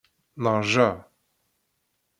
Neṛja.